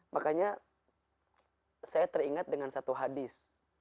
makanya saya teringat dengan satu hadis